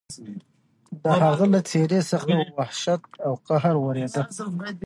د هغه له څېرې څخه وحشت او قهر ورېده.